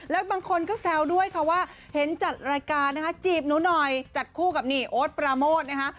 แล้วบางคนก็แซวด้วยค่ะว่าเห็นจัดรายการนะคะจีบหนูหน่อยจัดคู่กับนี่โอ๊ตปราโมทนะคะ